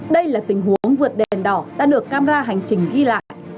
đây là tình huống vượt đèn đỏ đã được camera hành trình ghi lại